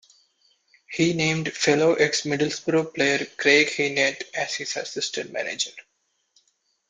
He named fellow ex-Middlesbrough player Craig Hignett as his assistant manager.